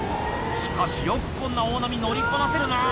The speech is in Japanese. しかし、よくこんな大波、乗りこなせるな。